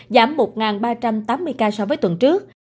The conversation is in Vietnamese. giảm một ba trăm tám mươi ca so với tuần trước